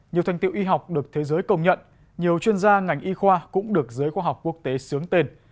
nhiều thành tiệu y học được thế giới công nhận nhiều chuyên gia ngành y khoa cũng được giới khoa học quốc tế sướng tên